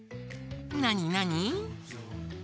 なになに？